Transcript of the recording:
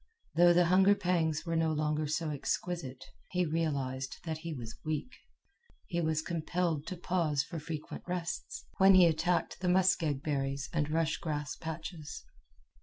Though the hunger pangs were no longer so exquisite, he realized that he was weak. He was compelled to pause for frequent rests, when he attacked the muskeg berries and rush grass patches.